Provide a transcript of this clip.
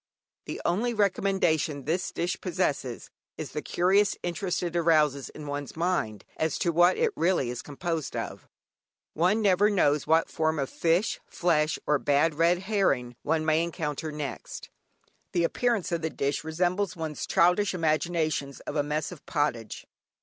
The only recommendation this dish possesses is the curious interest it arouses in one's mind as to what it is really composed of. One never knows what form of fish, flesh, or bad red herring one may encounter next. The appearance of the dish resembles one's childish imaginations of a "Mess of Pottage."